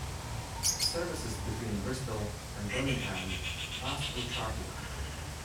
Services between Bristol and Birmingham pass through Charfield.